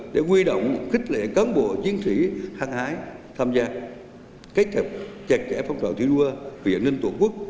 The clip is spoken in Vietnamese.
để nguy động khích lệ các bộ chiến sĩ hãng hái tham gia kết hợp chặt chẽ phong trào thi đua về ảnh hưởng tổ quốc